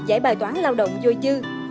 giải bài toán lao động dôi dư